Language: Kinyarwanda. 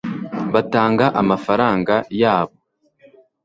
batanga amafaranga yabo